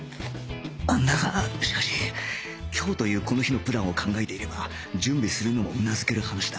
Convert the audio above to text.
だがしかし今日というこの日のプランを考えていれば準備するのもうなずける話だ